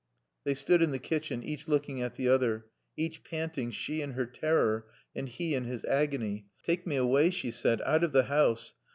They stood in the kitchen, each looking at the other, each panting, she in her terror and he in his agony. "Take me away," she said. "Out of the house.